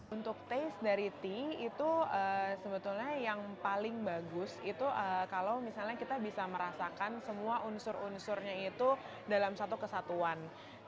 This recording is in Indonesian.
untuk taste dari tea itu sebetulnya yang paling bagus itu kalau misalnya kita bisa merasakan semua unsur unsurnya itu dalam satu kesatuan